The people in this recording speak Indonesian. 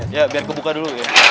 ya biar kubuka dulu ya